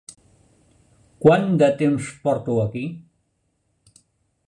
Quant de temps porto aquí?